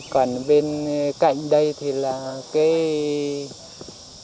còn bên cạnh đây thì là cái